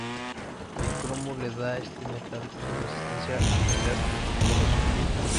El cromo le da a este metal su resistencia al desgaste y corrosión.